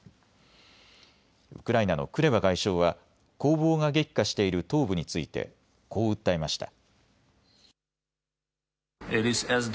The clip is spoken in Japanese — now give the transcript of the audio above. ウクライナのクレバ外相は攻防が激化している東部についてこう訴えました。